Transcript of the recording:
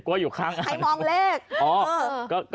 ใครมองเลข